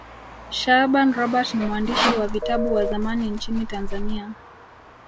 shaaban robert ni mwandishi wa vitabu wa zamani nchini tanzania